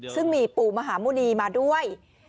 ซึ่งมีปู่มหาหมุณีมาด้วย